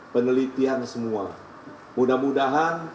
penelitian semua mudah mudahan